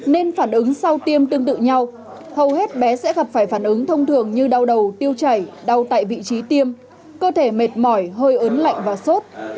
nên phản ứng sau tiêm tương tự nhau hầu hết bé sẽ gặp phải phản ứng thông thường như đau đầu tiêu chảy đau tại vị trí tiêm cơ thể mệt mỏi hơi ớn lạnh và sốt